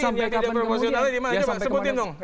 yang tidak proporsional